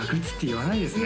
言わないんですよ